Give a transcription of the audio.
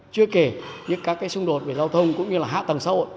chưa kể những các cái xung đột về giao thông cũng như là hạ tầng xã hội